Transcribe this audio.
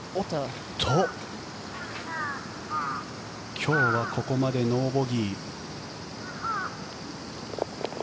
今日はここまでノーボギー。